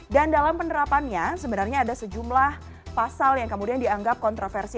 dan dalam penerapannya sebenarnya ada sejumlah pasal yang kemudian dianggap kontroversi